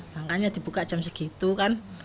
makanya dibuka jam segitu kan